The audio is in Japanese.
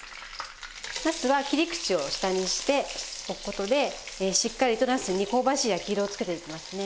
なすは切り口を下にしておく事でしっかりとなすに香ばしい焼き色をつけていきますね。